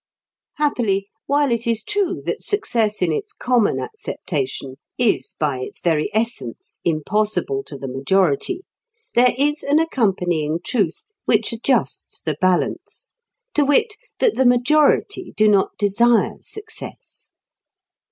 Happily, while it is true that success in its common acceptation is, by its very essence, impossible to the majority, there is an accompanying truth which adjusts the balance; to wit, that the majority do not desire success.